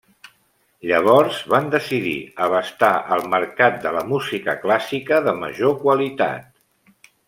Llavors van decidir abastar el mercat de la música clàssica, de major qualitat.